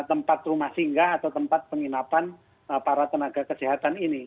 tempat rumah singgah atau tempat penginapan para tenaga kesehatan ini